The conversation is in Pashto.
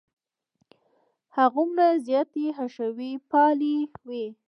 هماغومره زیاتې حشوي پالې وې.